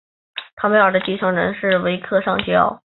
坎贝尔的继承人是维克上校。